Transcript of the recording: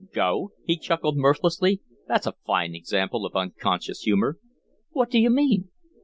"Go," he chuckled, mirthlessly. "That's a fine example of unconscious humor." "What do you mean?"